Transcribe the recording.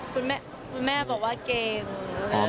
คุณแม่บอกว่าเก่ง